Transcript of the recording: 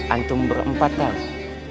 antum berempat tahu